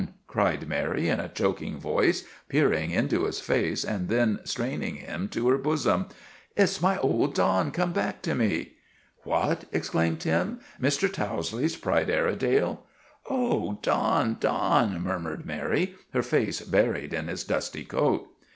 " cried Mary in a choking voice, peer ing into his face and then straining him to her bosom. " It 's my old Don come back to me." " What !" exclaimed Tim, " Mr. Towsley's prize Airedale ?"" Oh, Don ! Don !' murmured Mary, her face buried in his dusty coat.